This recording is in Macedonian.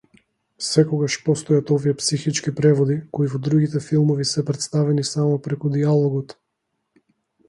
Секогаш постојат овие психички преводи, кои во другите филмови се претставени само преку дијалогот.